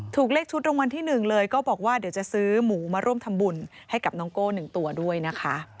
ถูกเลขชุดรางวัลที่๑เลยก็บอกว่าเดี๋ยวจะซื้อหมูมาร่วมทำบุญให้กับน้องโก้๑ตัวด้วยนะคะ